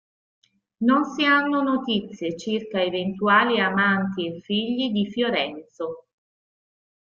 Non si hanno notizie circa eventuali amanti e figli di Fiorenzo.